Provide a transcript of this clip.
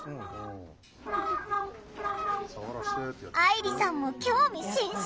あいりさんも興味津々！